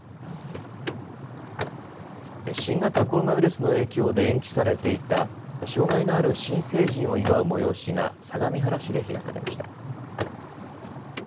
新型コロナウイルスの影響で延期されていた障害のある新成人を祝う催しが相模原市で開かれました。